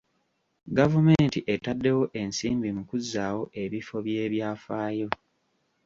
Gavumenti etaddewo ensimbi mu kuzzaawo ebifo by'ebyafaayo.